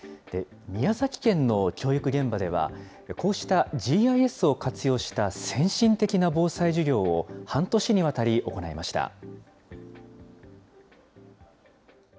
宮崎県の教育現場では、こうしたＧＩＳを活用した先進的な防災授業を半年にわたり行いました。